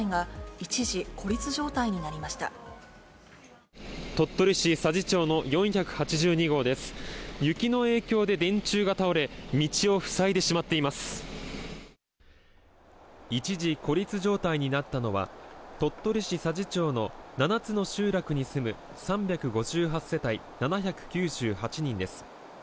一時孤立状態になったのは、鳥取市佐治町の７つの集落に住む、３５８世帯７９８人です。